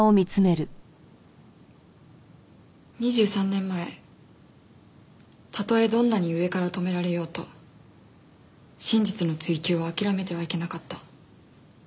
２３年前たとえどんなに上から止められようと真実の追及は諦めてはいけなかった。